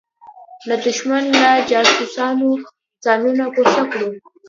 له دښمن له جاسوسانو ځانونه ګوښه کړو.